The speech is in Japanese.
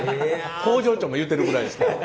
工場長も言ってるぐらいですから。